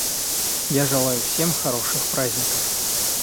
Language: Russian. Я желаю всем хороших праздников.